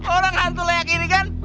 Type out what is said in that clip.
orang hantu layak ini kan